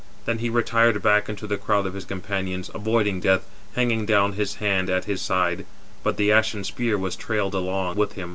Then he retired back into the crowd of his companions, avoiding death, hanging down his hand at his side, but the ashen spear was trailed along with him.